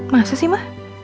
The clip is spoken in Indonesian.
masa sih ma